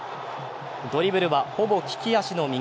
ドリブルは、ほぼ利き足の右。